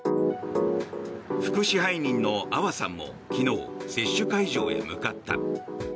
副支配人の阿波さんも昨日接種会場へ向かった。